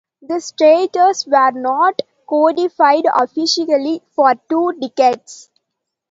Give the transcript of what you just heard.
These statuses were not codified officially for two decades.